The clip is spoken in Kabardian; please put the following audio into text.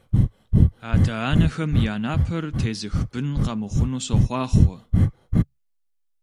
Адэ-анэхэм я напэр тезых бын къэмыхъуну сохъуахъуэ!